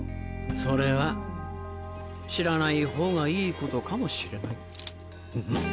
それは知らないほうがいいことかもしれない。